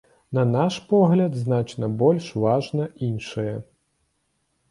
На наш погляд, значна больш важна іншае.